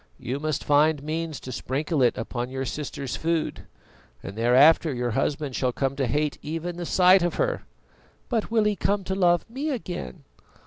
"You must find means to sprinkle it upon your sister's food, and thereafter your husband shall come to hate even the sight of her." "But will he come to love me again?"